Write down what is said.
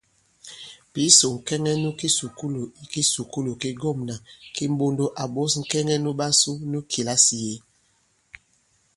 Pǐsò, ŋ̀kɛŋɛ nu kisùkulù i kisùkulù ki ŋgɔ̂mnà ki Mbondo à ɓos ŋ̀kɛŋɛ nuɓasu nu kìlasì yě.